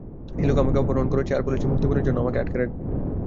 এই লোক আমাকে অপহরণ করেছে, আর বলছে মুক্তিপণের জন্য আমাকে আটকে রাখবে।